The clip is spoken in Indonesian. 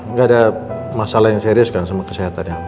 nggak ada masalah yang serius kan sama kesehatannya